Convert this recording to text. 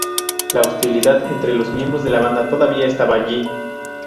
La hostilidad entre miembros de la banda todavía estaba allí.